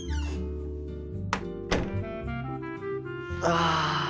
ああ。